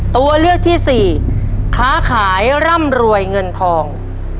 ตัวเลือกที่สี่ค้าขายร่ำรวยเงินทอง